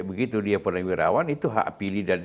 begitu dia pernah wirawan itu hak pilih dan